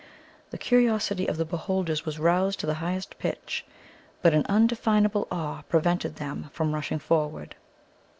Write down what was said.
The curiosity of the beholders was roused to the highest pitch, but an undefinable awe prevented them from rushing forward.